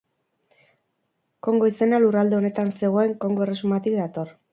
Kongo izena lurralde honetan zegoen Kongo erresumatik dator.